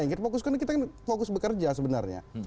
yang kita fokuskan kita fokus bekerja sebenarnya